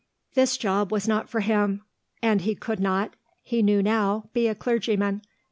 This job was not for him. And he could not, he knew now, be a clergyman.